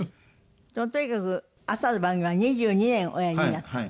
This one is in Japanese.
とにかく朝の番組は２２年おやりになった。